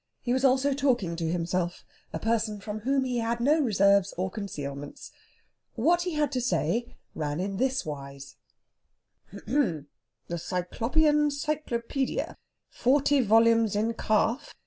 And he was also talking to himself a person from whom he had no reserves or concealments. What he had to say ran in this wise: "H'm! h'm! 'The Cyclopean Cyclopædia.' Forty volumes in calf.